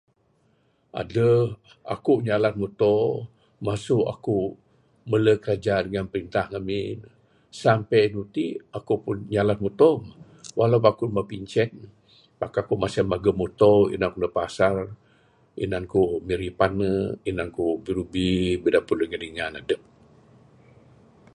Adeh aku nyalan muto masu aku mele kraja dengan printah ngamin ne sampe anu ti aku nyalan muto mah, walaupun aku meh pincen pak tau ku maseh mageh muto inan ku neg pasar, inan ku mirih pane, inan ku birubi bidapud dengan dingan adep.